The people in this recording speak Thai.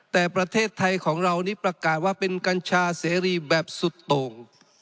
แต่ประเทศไทยของเรานี่ประกาศว่าเป็นกัญชาเสรีแบบสุดโต่ง